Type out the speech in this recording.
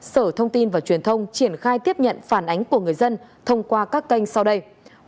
sở thông tin và truyền thông triển khai tiếp nhận phản ánh của người dân thông qua các kênh sau đây